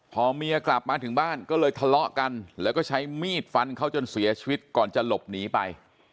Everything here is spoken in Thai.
พอเมียกลับมาถึงบ้านก็เลยทะเลาะกันแล้วก็ใช้มีดฟันเขาจนเสียชีวิตก่อนจะหลบหนีไป